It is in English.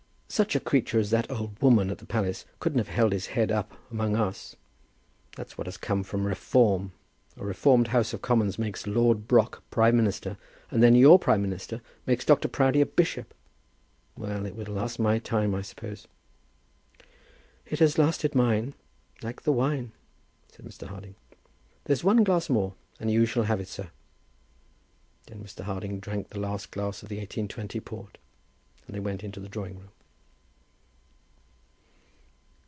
"Such a creature as that old woman at the palace couldn't have held his head up among us. That's what has come from Reform. A reformed House of Commons makes Lord Brock Prime Minister, and then your Prime Minister makes Dr. Proudie a bishop! Well; it will last my time, I suppose." "It has lasted mine, like the wine," said Mr. Harding. "There's one glass more, and you shall have it, sir." Then Mr. Harding drank the last glass of the 1820 port, and they went into the drawing room.